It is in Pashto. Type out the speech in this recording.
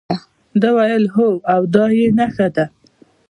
ده وویل هو او دا یې نخښه ده.